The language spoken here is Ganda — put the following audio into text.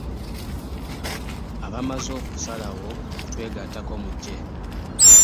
Abamaze okusalawo okutwegattako mujje.